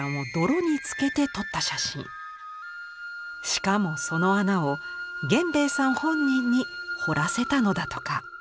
しかもその穴を源兵衛さん本人に掘らせたのだとか。